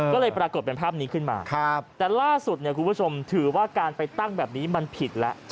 ก็เลยปรากฏเป็นภาพนี้ขึ้นมาแต่ล่าสุดเนี่ยคุณผู้ชมถือว่าการไปตั้งแบบนี้มันผิดแล้ว